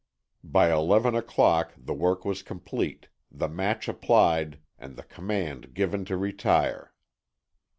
By eleven o'clock the work was complete, the match applied and the command given to retire.